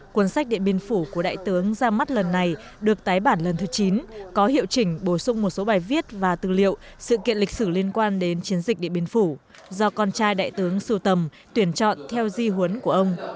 cuốn sách điện biên phủ của đại tướng ra mắt lần này được tái bản lần thứ chín có hiệu chỉnh bổ sung một số bài viết và tư liệu sự kiện lịch sử liên quan đến chiến dịch điện biên phủ do con trai đại tướng sưu tầm tuyển chọn theo di huấn của ông